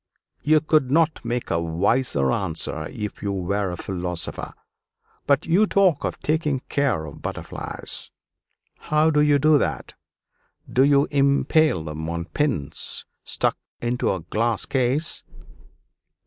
"You could not make a wiser answer if you were a philosopher. But you talk of taking care of butterflies: how do you do that? Do you impale them on pins stuck into a glass case?"